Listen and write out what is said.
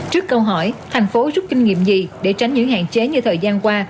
trước câu hỏi thành phố rút kinh nghiệm gì để tránh những hạn chế như thời gian qua